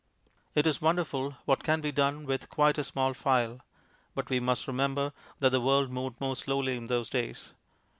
It is wonderful what can be done with quite a small file. But we must remember that the world moved more slowly in those days.